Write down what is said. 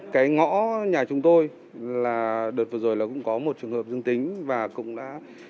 cái ngõ nhà chúng tôi là đợt vừa rồi là cũng có một trường hợp dương tính và cũng đã